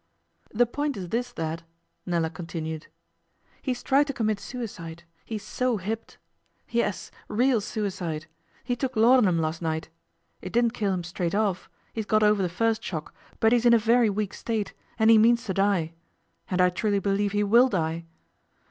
'The point is this, Dad,' Nella continued. 'He's tried to commit suicide he's so hipped. Yes, real suicide. He took laudanum last night. It didn't kill him straight off he's got over the first shock, but he's in a very weak state, and he means to die. And I truly believe he will die.